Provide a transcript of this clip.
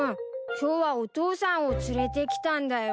今日はお父さんを連れてきたんだよ。